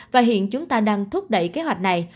và hiện chúng ta đang thúc đẩy kế hoạch này